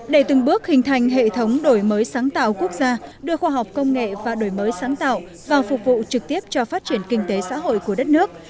để từng bước hình thành hệ thống đổi mới sáng tạo quốc gia đưa khoa học công nghệ và đổi mới sáng tạo vào phục vụ trực tiếp cho phát triển kinh tế xã hội của đất nước